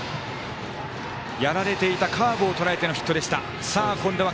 やられていたカーブをとらえてのヒットでした。